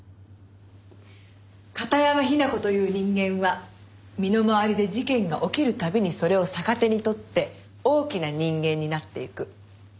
片山雛子という人間は身の回りで事件が起きる度にそれを逆手に取って大きな人間になっていく。